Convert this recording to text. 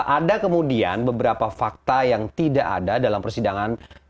ada kemudian beberapa fakta yang tidak ada dalam persidangan